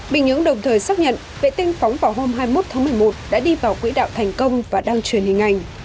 bình nhưỡng đồng thời xác nhận vệ tinh phóng vào hôm hai mươi một tháng một mươi một đã đi vào quỹ đạo thành công và đăng truyền hình ảnh